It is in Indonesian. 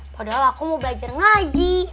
padahal aku mau belajar ngaji